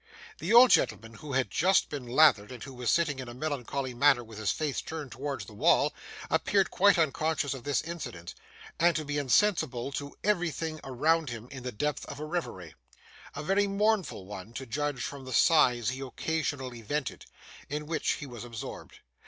The old gentleman who had just been lathered, and who was sitting in a melancholy manner with his face turned towards the wall, appeared quite unconscious of this incident, and to be insensible to everything around him in the depth of a reverie a very mournful one, to judge from the sighs he occasionally vented in which he was absorbed.